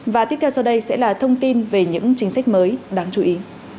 và tiếp theo sau đây sẽ là thông tin về những chính sách mới đáng chú ý